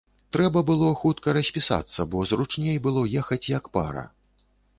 Трэба было хутка распісацца, бо зручней было ехаць як пара.